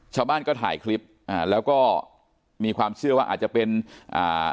ชาวบ้านก็ถ่ายคลิปอ่าแล้วก็มีความเชื่อว่าอาจจะเป็นอ่า